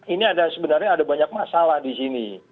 ini sebenarnya ada banyak masalah di sini